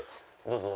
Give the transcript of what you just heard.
どうぞ。